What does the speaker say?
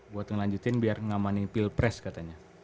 buat ngelanjutin biar ngamanin pilpres katanya